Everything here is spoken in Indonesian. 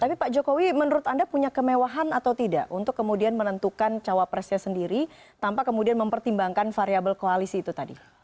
tapi pak jokowi menurut anda punya kemewahan atau tidak untuk kemudian menentukan cawapresnya sendiri tanpa kemudian mempertimbangkan variable koalisi itu tadi